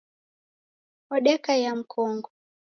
Odekaiya mkongo